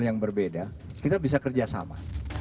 yang berbeda kita bisa kerjasama